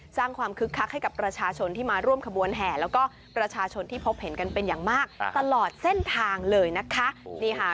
สร้างความคึกคักให้กับประชาชนที่มาร่วมขบวนแห่แล้วก็ประชาชนที่พบเห็นกันเป็นอย่างมากตลอดเส้นทางเลยนะคะนี่ค่ะ